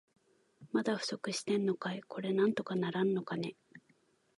まだ不足してんのかい。これなんとかならんのかね。